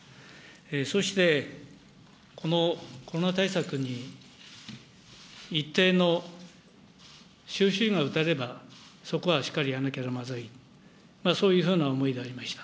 そして、このコロナ対策に、一定の終止符が打たれれば、そこはしっかりやらなきゃまずい、そういうふうな思いがありました。